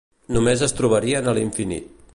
Només es trobarien a l'infinit.